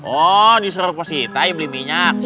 oh disuruh positi beliin minyak